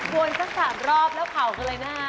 วนสัก๓รอบแล้วเผากันเลยนะฮะ